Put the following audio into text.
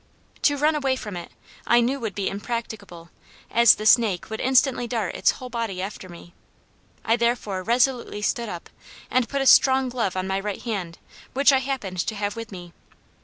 To run away from it, I knew would be impracticable, as the snake would instantly dart its whole body after me. I therefore resolutely stood up, and put a strong glove on my right hand, which I happened to have with me.